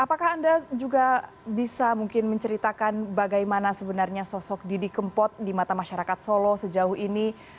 apakah anda juga bisa mungkin menceritakan bagaimana sebenarnya sosok didi kempot di mata masyarakat solo sejauh ini